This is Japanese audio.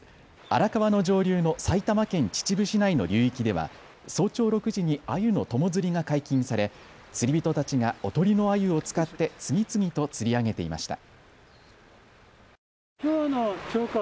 荒川の上流の埼玉県秩父市内の流域では早朝６時にアユの友釣りが解禁され釣り人たちがおとりのアユを使って次々と釣り上げていました。